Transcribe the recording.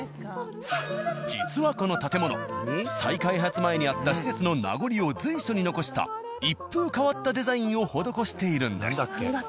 実はこの建物再開発前にあった施設の名残を随所に残した一風変わったデザインを施しているんです。